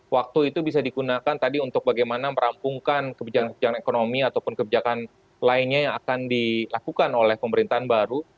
waktu itu bisa digunakan tadi untuk bagaimana merampungkan kebijakan kebijakan ekonomi ataupun kebijakan lainnya yang akan dilakukan oleh pemerintahan baru